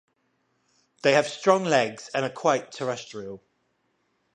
They have strong legs and are quite terrestrial.